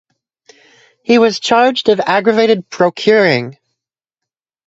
He was charged of aggravated procuring.